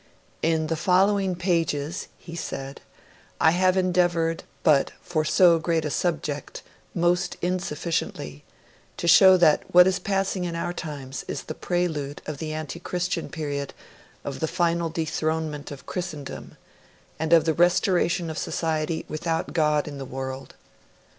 'In the following pages,' he said, 'I have endeavoured, but for so great a subject most insufficiently, to show that what is passing in our times is the prelude of the antichristian period of the final dethronement of Christendom, and of the restoration of society without God in the world.'